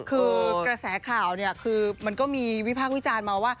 คือกระแสข่าวเนี่ยคือมันก็มีวิพากษ์วิจารณ์มาว่า